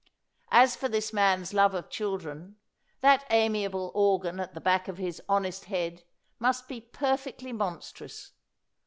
As for this man's love of children, that amiable organ at the back of his honest head must be perfectly monstrous.